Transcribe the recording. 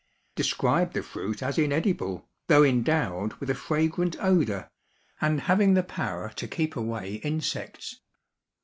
described the fruit as inedible, though endowed with a fragrant odor, and having the power to keep away insects.